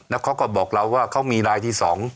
แล้วเขาก็บอกเราว่าเขามีรายที่๒